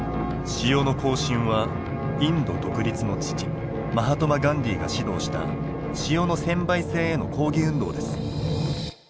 「塩の行進」はインド独立の父マハトマ・ガンディーが指導した塩の専売制への抗議運動です。